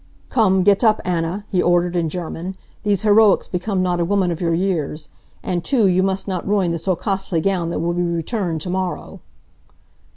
"Come, get up Anna," he ordered, in German. "These heroics become not a woman of your years. And too, you must not ruin the so costly gown that will be returned to morrow."